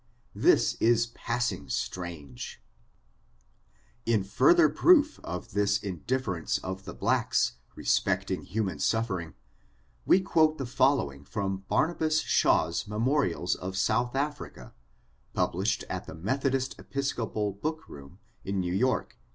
This is passing strange ! In further proof of this indifference of the blacks, respecting human suffering, we quote the following from Barnabas Shawns Memorials of South Africa, published at the Methodist Episcopal book room, in New York, 1841.